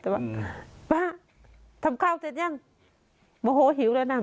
แต่ว่าป้าทำข้าวเสร็จยังโมโหหิวแล้วนะ